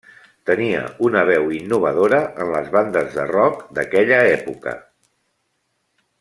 Tenia una veu innovadora en les bandes de rock d'aquella època.